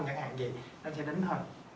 chẳng hạn gì nó sẽ đánh hơn